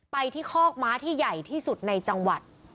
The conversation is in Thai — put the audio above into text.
ไปที่คอกม้าที่ใหญ่ที่สุดในจังหวัด